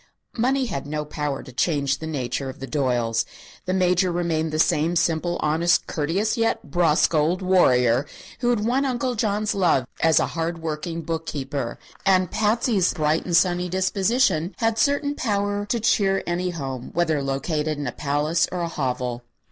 Money had no power to change the nature of the Doyles. The Major remained the same simple, honest, courteous yet brusque old warrior who had won Uncle John's love as a hard working book keeper; and Patsy's bright and sunny disposition had certain power to cheer any home, whether located in a palace or a hovel.